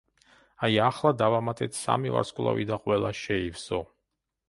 აი, ახლა დავამატეთ სამი ვარსკვლავი და ყველა შეივსო.